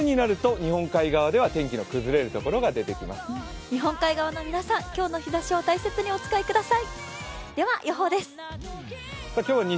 日本海側の皆さん、今日の日ざしを大切にお使いください。